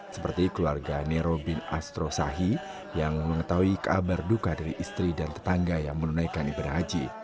seperti keluarga nero bin astro sahi yang mengetahui kabar duka dari istri dan tetangga yang menunaikan ibadah haji